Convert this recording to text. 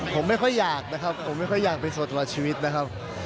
ผมไม่ค่อยอยากนะครับผมไม่ค่อยอยากเป็นสดตลอดชีวิตนะครับ